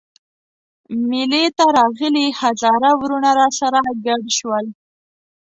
مېلې ته راغلي هزاره وروڼه راسره ګډ شول.